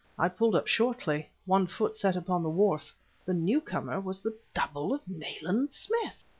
I pulled up shortly, one foot set upon the wharf. The new comer was the double of Nayland Smith!